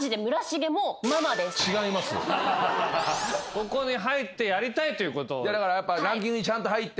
ここに入ってやりたいということ？